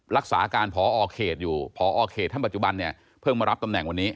รักษาการพอเขตอยู่พอเขตท่านปัจจุบันเนี่ยเพิ่งมารับตำแหน่งวันนี้